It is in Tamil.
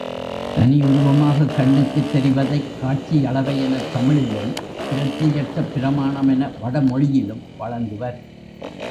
தனியுருவமாகக் கண்ணுக்குத் தெரிவதைக் காட்சியளவை எனத் தமிழிலும் பிரத்தியட்சப் பிரமாணம் என வடமொழியிலும் வழங்குவர்.